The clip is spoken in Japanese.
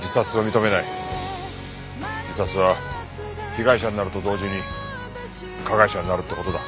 自殺は被害者になると同時に加害者になるって事だ。